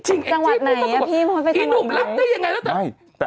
จังหวัดไหนพี่พอไปจังหวัดไหนพี่หนุ่มรับได้อย่างไรแล้วแต่